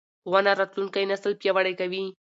ښوونه راتلونکی نسل پیاوړی کوي